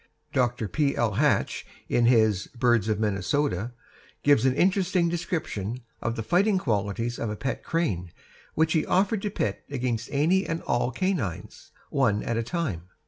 Dr. P. L. Hatch, in his "Birds of Minnesota," gives an interesting description of the fighting qualities of a pet crane which he offered to pit against any and all canines, one at a time.